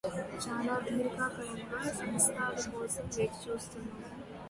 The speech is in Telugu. చాలా దీర్ఘకాలంగా సంస్కరణల కోసం వేచి చూస్తున్నాం